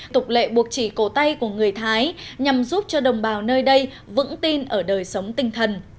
tục lệ buộc chỉ cổ tay của người thái nhằm giúp cho đồng bào nơi đây vững tin ở đời sống tinh thần